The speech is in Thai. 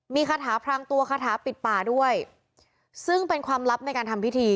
มีคาถาพรางตัวคาถาปิดป่าด้วยซึ่งเป็นความลับในการทำพิธี